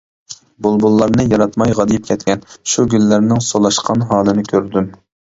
بۇلبۇللارنى ياراتماي غادىيىپ كەتكەن، شۇ گۈللەرنىڭ سولاشقان ھالىنى كۆردۈم.